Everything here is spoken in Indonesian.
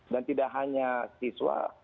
dan tidak hanya siswa